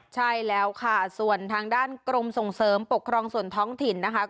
ใช่แล้วค่ะส่วนทางด้านกรมส่งเสริมปกครองส่วนท้องถิ่นนะคะ